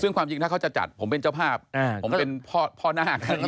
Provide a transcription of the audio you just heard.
ซึ่งความจริงถ้าเขาจะจัดผมเป็นเจ้าภาพผมเป็นพ่อหน้า